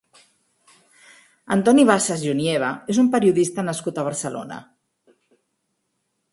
Antoni Bassas i Onieva és un periodista nascut a Barcelona.